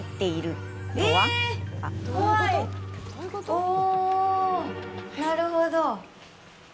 お、なるほど。